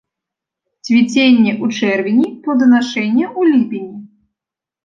Цвіценне ў чэрвені, плоданашэнне ў ліпені.